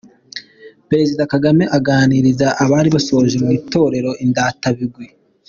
Perezida Kagame aganiriza abari basoje mu itorero Indatabigwi.